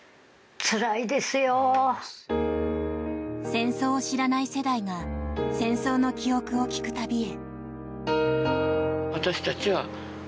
戦争を知らない世代が戦争の記憶を聞く旅へ。